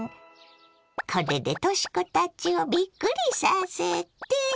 これでとし子たちをびっくりさせて。